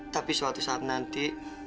tapi suatu saat nanti